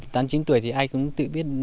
từ tám chín tuổi thì ai cũng tự biết